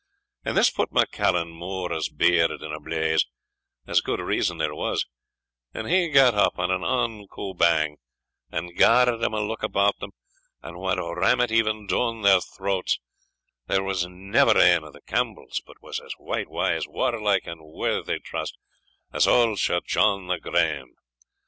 And this put MacCallum More's beard in a bleize, as gude reason there was; and he gat up wi' an unco bang, and garr'd them a' look about them, and wad ram it even doun their throats, there was never ane o' the Campbells but was as wight, wise, warlike, and worthy trust, as auld Sir John the Graeme.